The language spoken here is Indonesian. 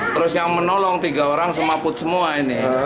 terus yang menolong tiga orang semaput semua ini